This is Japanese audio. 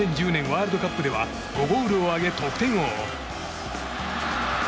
ワールドカップでは５ゴールを挙げ得点王。